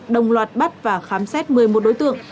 đồng loạt bắt và khám xét một mươi một đối tượng